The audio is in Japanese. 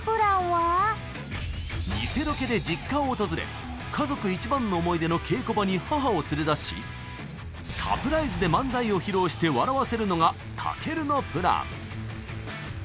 偽ロケで実家を訪れ家族一番の思い出の稽古場に母を連れ出しサプライズで漫才を披露して笑わせるのがたけるのプラン